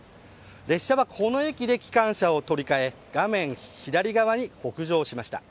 列車はこの駅で機関車を取り替え画面左側に北上しました。